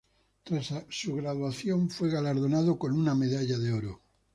Tras su graduación, fue galardonado con una medalla de oro.